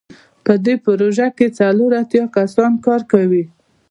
په دې پروژه کې څلور اتیا کسان کار کوي.